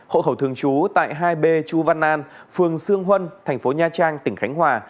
hộ khẩu thường trú tại hai b chu văn an phường sương huân thành phố nha trang tỉnh khánh hòa